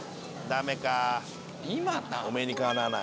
お目にかなわない。